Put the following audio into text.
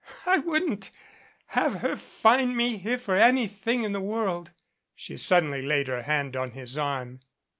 "I wouldn't have her find me here for anything in the world." She suddenly laid her hand on his arm.